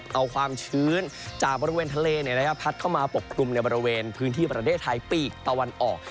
เอาความชื้นจากบริเวณทะเลพัดเข้ามาปกคลุมในบริเวณพื้นที่ประเทศไทยปีกตะวันออก